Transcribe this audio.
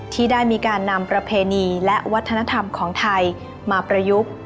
ที่ได้มีการนำประเพณีและวัฒนธรรมของไทยมาประยุกต์